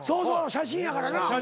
写真やからな。